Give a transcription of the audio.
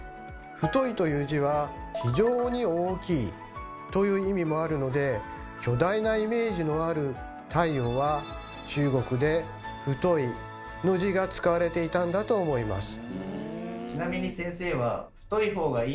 「太」という字は「非常に大きい」という意味もあるので巨大なイメージのある太陽は中国で「太」の字が使われていたんだと思います。